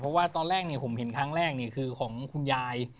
เพราะว่าตอนแรกผมเห็นครั้งแรกคือของคุณยาย